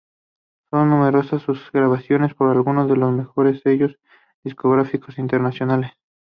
Son numerosas sus grabaciones para algunos de los mejores sellos discográficos internacionales.